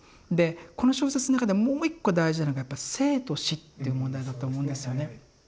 でこの小説の中ではもう一個大事なのがやっぱ生と死っていう問題だと思うんですよね。